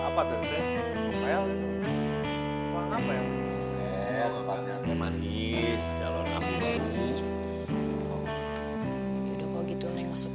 ya kamu nanya kenapa pikiran itu kemana